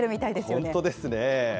本当ですね。